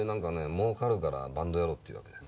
もうかるからバンドやろうって言うわけだよ。